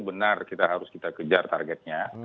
benar kita harus kita kejar targetnya